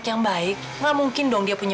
sampai jumpa di video selanjutnya